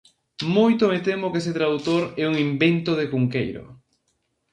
Moito me temo que ese tradutor é un invento de Cunqueiro.